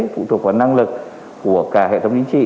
phụ thuộc vào năng lực của cả hệ thống chính trị